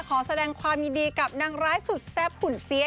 ขอแสดงความยินดีกับนางร้ายสุดแซ่บหุ่นเสีย